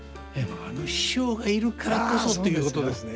あの師匠がいるからこそっていうことですね。